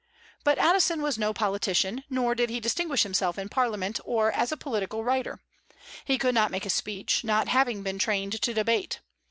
But Addison was no politician; nor did he distinguish himself in Parliament or as a political writer. He could not make a speech, not having been trained to debate.